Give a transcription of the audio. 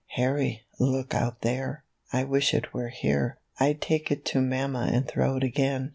" Harry, look out there ; I wish it were here ; I'd take it to Mamma and throw it again.